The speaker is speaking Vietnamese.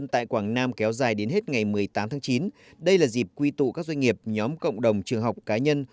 tại quảng nam kéo dài đến hết ngày một mươi tám tháng chín đây là dịp quy tụ các doanh nghiệp nhóm cộng đồng trường học cá nhân